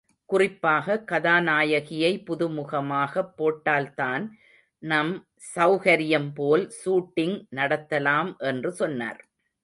குறிப்பாக கதாநாயகியை புதுமுகமாகப் போட்டால்தான் நம் செளகரியம் போல் சூட்டிங் நடத்தலாம் என்று சொன்னார்.